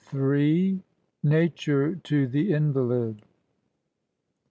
43 NATURE TO THE INVALID.